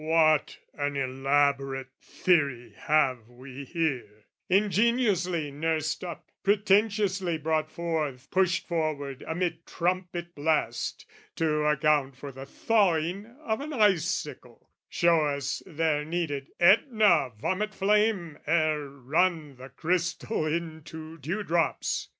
What an elaborate theory have we here, Ingeniously nursed up, pretentiously Brought forth, pushed forward amid trumpet blast, To account for the thawing of an icicle, Show us there needed Aetna vomit flame Ere run the crystal into dew drops!